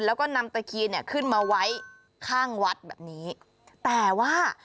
แล้วก็นำตะเคียนเนี่ยขึ้นมาไว้ข้างวัดแบบนี้แต่ว่า